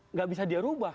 nggak bisa dirubah